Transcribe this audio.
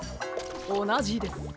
おなじです。